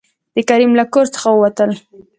د کريم له کور څخه ووتل.